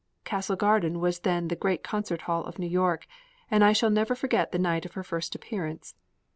Castle Garden was then the great concert hall of New York, and I shall never forget the night of her first appearance.